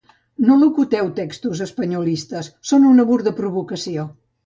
No locuteu textos espanyolistes, són una burda provocació.